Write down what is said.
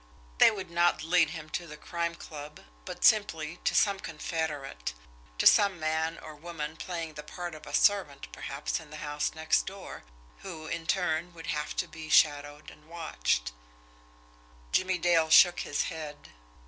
They would not lead him to the Crime Club, but simply to some confederate, to some man or woman playing the part of a servant, perhaps, in the house next door, who, in turn, would have to be shadowed and watched. Jimmie Dale shook his head.